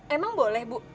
emang boleh bu